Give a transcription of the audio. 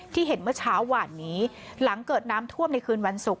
เห็นเมื่อเช้าหวานนี้หลังเกิดน้ำท่วมในคืนวันศุกร์